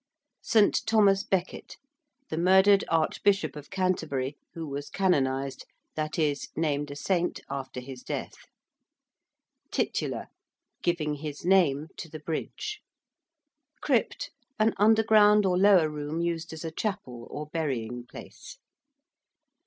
~St. Thomas Becket~, the murdered Archbishop of Canterbury, who was canonised, that is, named a saint after his death. ~titular~: giving his name to the bridge. ~crypt~: an underground or lower room used as a chapel or burying place. 16.